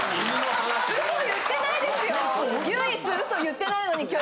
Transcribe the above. ウソ言ってないですよ。